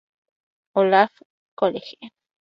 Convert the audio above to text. Olaf College.